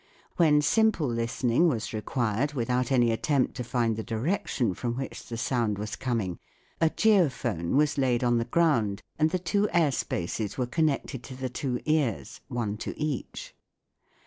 When simple listening was required, without any attempt to find the direction from which the sound was coming, a geophone was laid on the ground and the two air spaces were connected to the two ears, one to each.